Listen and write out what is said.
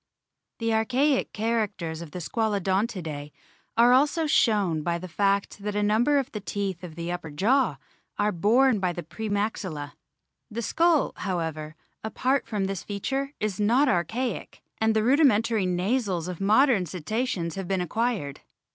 The archaic characters of the Squalodontidae are also shown by the fact that a number of the teeth of the upper jaw are borne by the pre maxilla. The skull, however, apart from this feature, is not archaic, and the rudimentary nasals of modern Cetaceans have been acquired.